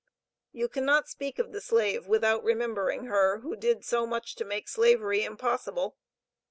You cannot speak of the slave without remembering her, who did so much to make Slavery impossible.